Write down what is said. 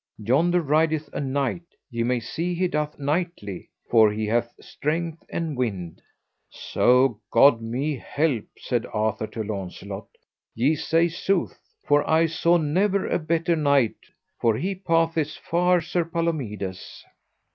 Yonder rideth a knight ye may see he doth knightly, for he hath strength and wind. So God me help, said Arthur to Launcelot, ye say sooth, for I saw never a better knight, for he passeth far Sir Palomides.